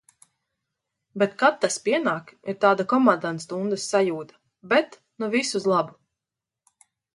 Bet, kad tas pienāk, ir tāda komandantstundas sajūta. Bet nu viss uz labu.